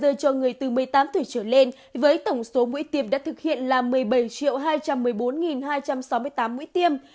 và đã triển khai dơ cho người từ một mươi tám tuổi trở lên với tổng số mũi tiêm đã thực hiện là một mươi bảy hai trăm một mươi bốn hai trăm sáu mươi tám mũi tiêm